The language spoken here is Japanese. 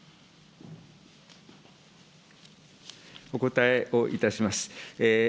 お答えをいたします。